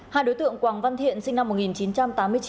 hai đối tượng quảng văn thiện sinh năm một nghìn chín trăm tám mươi chín